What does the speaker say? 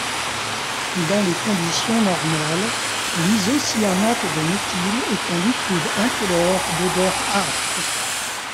Dans les conditions normales, l’isocyanate de méthyle est un liquide incolore d’odeur âcre.